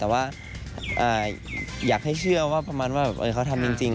แต่ว่าอยากให้เชื่อว่าประมาณว่าเขาทำจริง